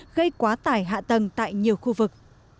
gây quá tải hạ tầng tại nhiều khu vực